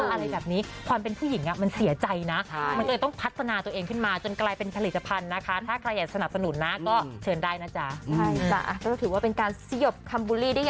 อะไรแบบนี้ความเป็นผู้หญิงมันเสียใจนะ